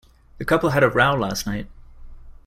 The couple had a row last night.